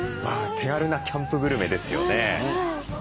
手軽なキャンプグルメですよね。